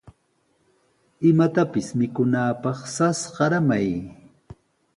Imatapis mikunaapaq sas qaramay.